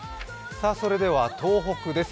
それでは東北です。